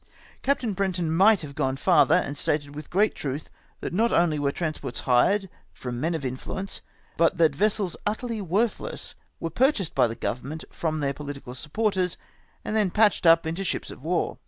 Captain Brenton might have gone farther, and stated with great truth, that not only were transports hired from men of mfluence, but that vessels utterly worth less were purchased by the Government from their pohtical supporters, and then patched up into ships of war!